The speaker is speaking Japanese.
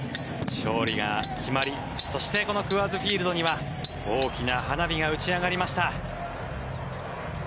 勝利が決まり、そしてこのクアーズ・フィールドには大きな花火が打ち上がりました。